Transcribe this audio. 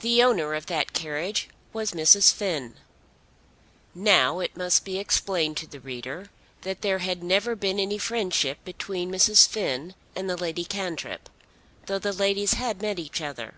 The owner of that carriage was Mrs. Finn. Now it must be explained to the reader that there had never been any friendship between Mrs. Finn and Lady Cantrip, though the ladies had met each other.